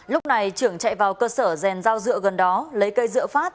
lúc này trưởng chạy vào cơ sở rèn dao dựa gần đó lấy cây dựa phát